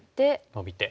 ノビて。